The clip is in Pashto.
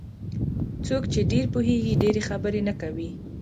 څوک چې ډېر پوهېږي ډېرې خبرې نه کوي.